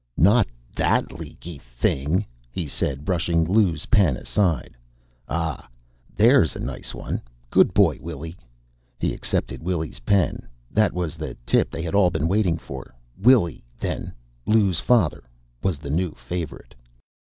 "Not that leaky thing," he said, brushing Lou's pen aside. "Ah, there's a nice one. Good boy, Willy." He accepted Willy's pen. That was the tip they had all been waiting for. Willy, then Lou's father was the new favorite.